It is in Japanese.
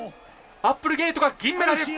アップルゲイトが銀メダル！